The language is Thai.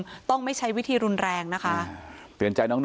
ก็ต้องใช้อีกวิธีหนึ่งในการสั่งสอนในการตักเตือนในการอบรม